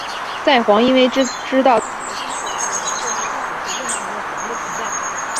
在煌因为知道自己的身世感到难过和痛苦时认同了煌的存在。